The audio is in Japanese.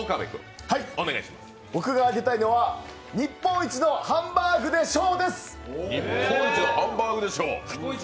僕があげたいのは日本一のハンバーグで賞です！